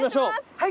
はい。